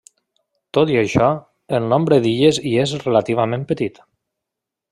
Tot i això, el nombre d'illes hi és relativament petit.